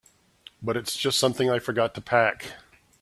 But it's just something I forgot to pack.